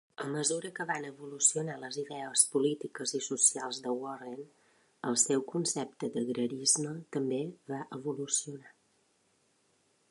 A mesura que van evolucionar les idees polítiques i socials de Warren, el seu concepte d'agrarisme també va evolucionar.